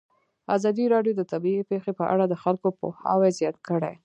ازادي راډیو د طبیعي پېښې په اړه د خلکو پوهاوی زیات کړی.